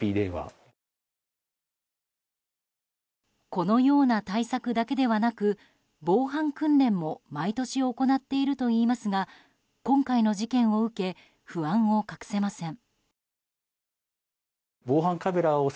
このような対策だけではなく防犯訓練も毎年行っているといいますが今回の事件を受け不安を隠せません。